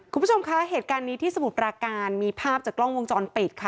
คุณผู้ชมคะเหตุการณ์นี้ที่สมุทรปราการมีภาพจากกล้องวงจรปิดค่ะ